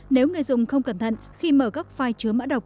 nếu người dùng không cẩn thận khi mở các file chứa mã độc